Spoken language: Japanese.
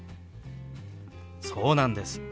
そうなんです。